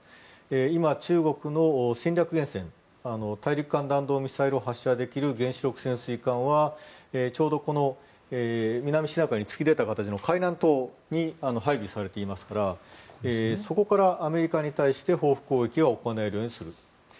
今、中国の原潜大陸間弾道ミサイル発射できる原子力潜水艦はちょうどこの南シナ海に突き出た形の海南島に配備されていますからそこからアメリカに対して報復攻撃を行えるようにする。